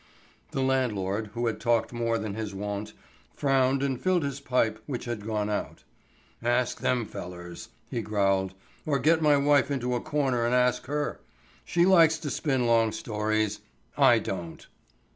The landlord, who had talked more than his wont, frowned and filled his pipe, which had gone out. "Ask them fellers," he growled; "or get my wife into a corner and ask her. She likes to spin long stories; I don't."